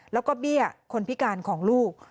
แล้วก็เบี้ยคนพิการของลูก